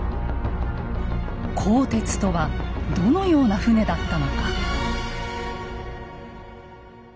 「甲鉄」とはどのような船だったのか。